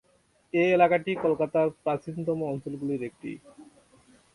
এ এলাকাটি কলকাতার প্রাচীনতম অঞ্চলগুলির একটি।